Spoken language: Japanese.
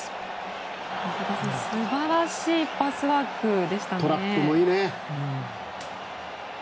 素晴らしいパスワークでしたね。